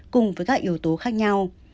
cùng với các yếu tố khác nhau